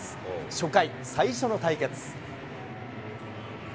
初回、最初の対決。